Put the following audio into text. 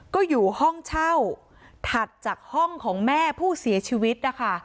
ก็อยู่ห้องเช่าถัดจากห้องของแม่ผู้เสียชีวิตนะคะ